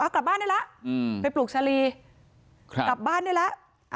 กลับบ้านได้แล้วไปปลูกชาลีกลับบ้านได้แล้ว